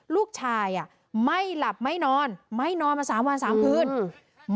ลูกชายอ่ะไม่หลับไม่นอนไม่นอนมาสามวันสามคืนอืม